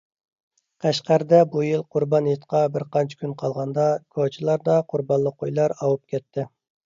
قەشقەردە بۇ يىل قۇربان ھېيتقا بىرقانچە كۈن قالغاندا كوچىلاردا قۇربانلىق قويلار ئاۋۇپ كەتتى.